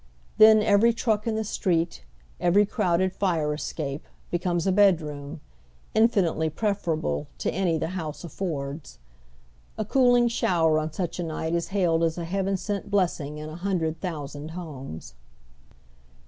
Then every truck in the street, every crowded fire escape, becomes . bedroom, infinitely pi efer able to any the house affords. A cooling shower on such a ■ night is hailed as a heaven ' sent blessing in a hundred thousand homes.